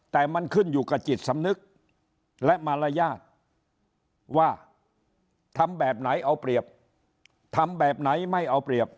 แต่มันขึ้นอยู่กับจิตสำนึกและมารยาทว่าทำแบบไหนเอาเปรียบทำแบบไหนไม่เอาเปรียบ